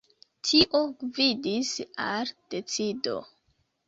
Tio gvidis al decido.